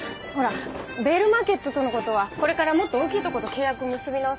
ほらヴェールマーケットとのことはこれからもっと大きいとこと契約結び